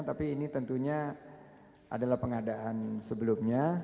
tapi ini tentunya adalah pengadaan sebelumnya